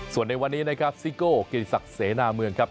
ส่วนในวันนี้นะครับซิโก้เกียรติศักดิ์เสนาเมืองครับ